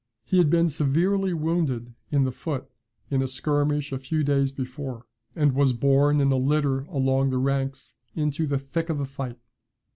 He had been severely wounded in the foot in a skirmish a few days before; and was borne in a litter along the ranks, into the thick of the fight.